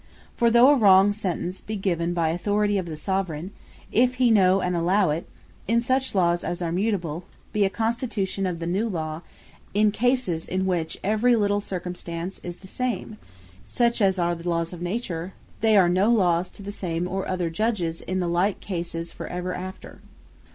For though a wrong Sentence given by authority of the Soveraign, if he know and allow it, in such Lawes as are mutable, be a constitution of a new Law, in cases, in which every little circumstance is the same; yet in Lawes immutable, such as are the Lawes of Nature, they are no Lawes to the same, or other Judges, in the like cases for ever after.